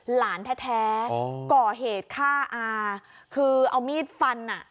หลานแท้ก่อเหตุฆ่าอาคือเอามีดฟันอ่ะ